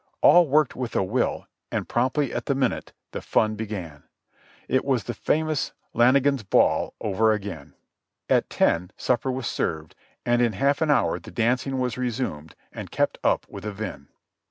All worked with a will and promptly at the minute the fun began. It was the famous "Lannigan's ball" over again. At ten, supper was served, and in half an hour the dancing was resumed and kept up with a vim.